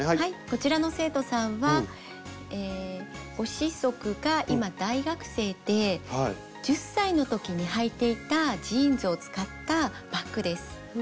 こちらの生徒さんはご子息が今大学生で１０歳の時にはいていたジーンズを使ったバッグです。